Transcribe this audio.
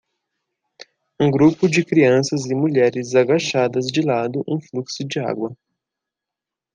Um grupo de crianças e mulheres agachadas de lado um fluxo de água.